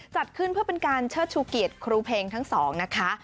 จัดขึ้นเพื่อเป็นการเชิดชูเกียรติครูเพลงทั้งสองนะคะ